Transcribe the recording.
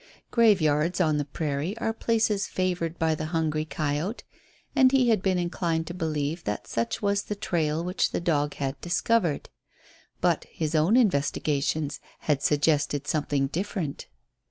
Graveyards on the prairie are places favoured by the hungry coyote, and he had been inclined to believe that such was the trail which the dog had discovered. But his own investigations had suggested something different.